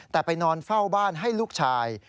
แต่ไปนอนเฝ้าบ้านให้ลูกชาย